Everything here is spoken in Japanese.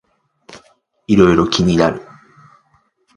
いろいろ気になる